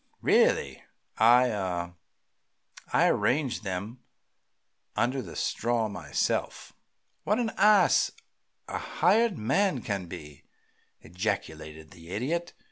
Really, I ah I arranged them under the straw myself." "What an ass a hired man can be!" ejaculated the Idiot.